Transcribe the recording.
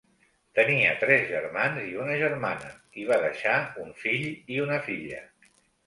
Tenia tres germans i una germana i va deixar un fill i una filla.